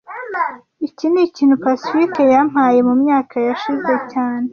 Iki nikintu Pacifique yampaye mumyaka yashize cyane